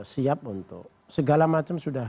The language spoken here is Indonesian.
siap untuk segala macam sudah